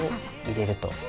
入れると。